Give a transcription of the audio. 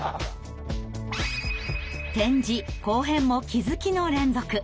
点字後編も気づきの連続！